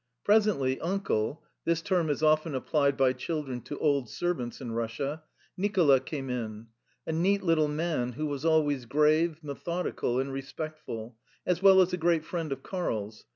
Presently Uncle [This term is often applied by children to old servants in Russia] Nicola came in a neat little man who was always grave, methodical, and respectful, as well as a great friend of Karl's.